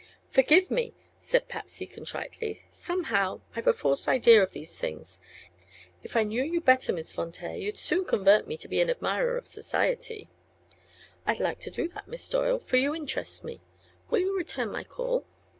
"Forgive me!" said Patsy, contritely. "Somehow I've had a false idea of these things. If I knew you better, Miss Von Taer, you'd soon convert me to be an admirer of society." "I'd like to do that, Miss Doyle, for you interest me. Will you return my call?"